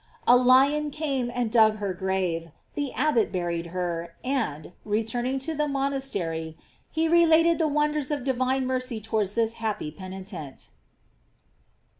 A lion came and dug her grave, the abbot buried her, and, returning to the monastery, he related the wonders of divine mercy towards this happy penitent.